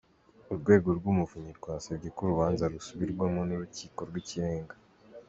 Urwego rw’Umuvunyi rwasabye ko urubanza rusubirwamo n’Urukiko rw’Ikirenga.